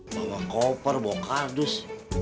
bawa koper bawa kardus